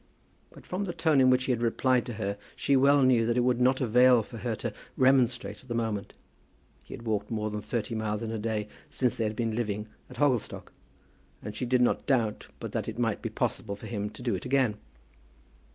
But from the tone in which he had replied to her, she well knew that it would not avail for her to remonstrate at the moment. He had walked more than thirty miles in a day since they had been living at Hogglestock, and she did not doubt but that it might be possible for him to do it again.